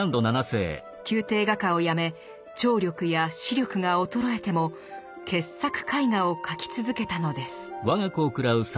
宮廷画家を辞め聴力や視力が衰えても傑作絵画を描き続けたのです。